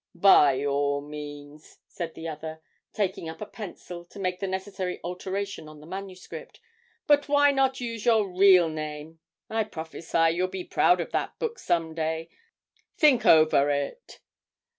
'By all means,' said the other, taking up a pencil to make the necessary alteration on the manuscript, 'but why not use your real name? I prophesy you'll be proud of that book some day; think over it.'